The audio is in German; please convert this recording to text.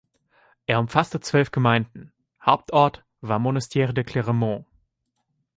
Er umfasste zwölf Gemeinden, Hauptort war Monestier-de-Clermont.